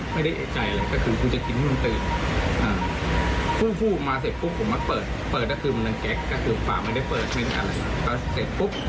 กลับถึงลำเก็กปากไม่ได้เปิดไม่ได้อ่าเหรอ